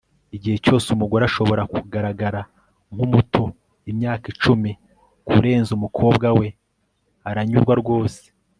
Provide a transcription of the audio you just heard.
igihe cyose umugore ashobora kugaragara nkumuto imyaka icumi kurenza umukobwa we, aranyurwa rwose